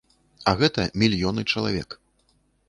А гэта мільёны чалавек.